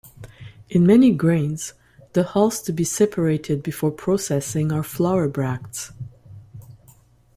In many grains, the "hulls" to be separated before processing are flower bracts.